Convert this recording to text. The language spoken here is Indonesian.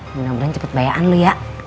semoga cepet bayangan lu ya